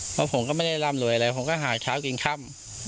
เพราะผมก็ไม่ได้ร่ำรวยอะไรผมก็หาเช้ากินค่ำ